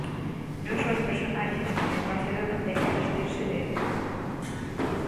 Non só as personaxes, tamén Barcelona ten que vestirse de época.